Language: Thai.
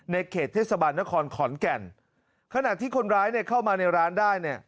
เขตเทศบาลนครขอนแก่นขณะที่คนร้ายเนี่ยเข้ามาในร้านได้เนี่ย